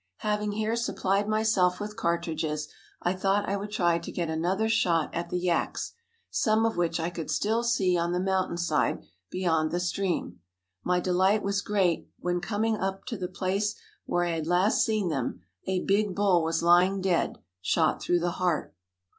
Having here supplied myself with cartridges, I thought I would try to get another shot at the yaks, some of which I could still see on the mountain side beyond the stream. My delight was great when, coming up to the place where I had last seen them, a big bull was lying dead, shot through the heart.